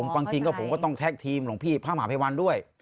บางทีก็ผมก็ต้องแท็กทีมหลวงพี่พระมหาภัยวันด้วย